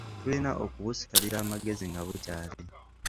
Tulina okubusalira magezi nga bukyali.